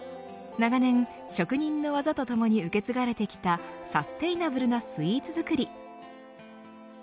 長年、職人の技とともに受け継がれてきたサステイナブルなスイーツ作り。